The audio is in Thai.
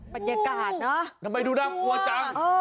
บรรยากาศเนอะทำไมดูน่ากลัวจัง